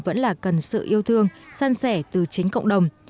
vẫn là cần sự yêu thương san sẻ từ chính cộng đồng